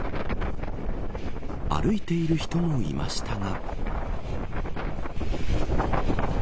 歩いている人もいましたが。